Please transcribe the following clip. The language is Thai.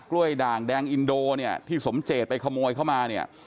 ้วยด่างแดงอินโดเนี่ยที่สมเจตไปขโมยเข้ามาเนี่ย